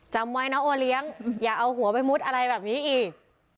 จะเอาหัวไปมุดอะไรแบบนี้อีก